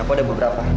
aku ada beberapa